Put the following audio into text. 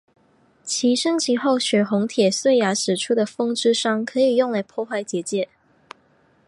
其升级后血红铁碎牙使出的风之伤可以用来破坏结界。